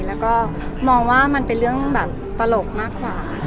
และมองว่ามันเป็นเรื่องตลกมากขวา